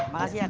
makasih ya kang